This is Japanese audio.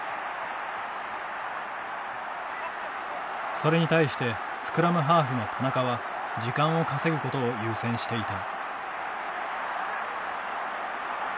それに対してスクラムハーフの田中は時間を稼ぐことを優先していた。